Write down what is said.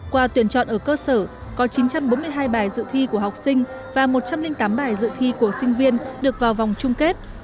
qua tuyển chọn ở cơ sở có chín trăm bốn mươi hai bài dự thi của học sinh và một trăm linh tám bài dự thi của sinh viên được vào vòng chung kết